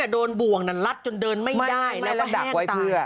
โดนบ่วงดันรัดจนเดินไม่ได้แล้วก็แห้งตาย